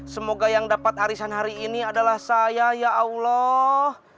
semoga yang dapat arisan hari ini adalah saya ya allah